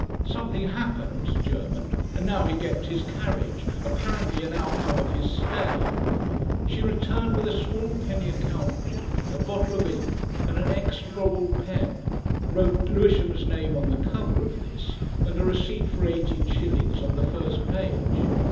Something happened (German) and now he kept his carriage apparently an outcome of his stay. She returned with a small penny account book, a bottle of ink and an execrable pen, wrote Lewisham's name on the cover of this, and a receipt for eighteen shillings on the first page.